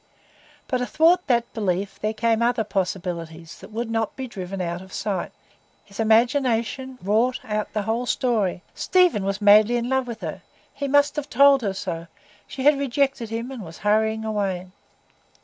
But athwart that belief there came other possibilities that would not be driven out of sight. His imagination wrought out the whole story; Stephen was madly in love with her; he must have told her so; she had rejected him, and was hurrying away.